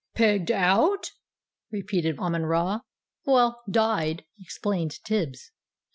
"Pegged out?" repeated Amon Ra. "Well, died," explained Tibbs.